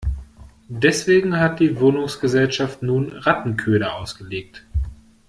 Deswegen hat die Wohnungsgesellschaft nun Rattenköder ausgelegt.